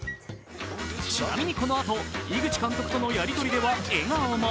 ちなみに、このあと井口監督とのやり取りでは笑顔も。